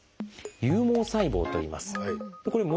「有毛細胞」といいます。